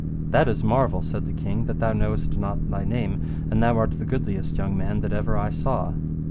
That is marvel, said the king, that thou knowest not thy name, and thou art the goodliest young man that ever I saw.